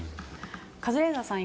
カズレーザーさん